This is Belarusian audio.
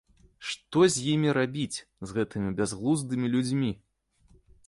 Што з імі рабіць, з гэтымі бязглуздымі людзьмі?